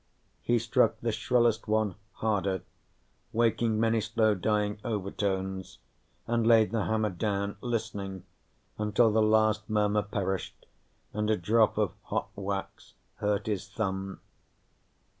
He struck the shrillest one harder, waking many slow dying overtones, and laid the hammer down, listening until the last murmur perished and a drop of hot wax hurt his thumb.